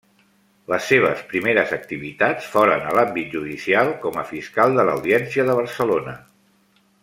Les seves primeres activitats foren a l'àmbit judicial, com a fiscal de l'Audiència de Barcelona.